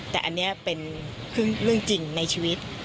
แต่อันนี้เป็นเรื่องจริงในชีวิต